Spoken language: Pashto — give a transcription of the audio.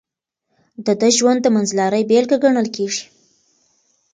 د ده ژوند د منځلارۍ بېلګه ګڼل کېږي.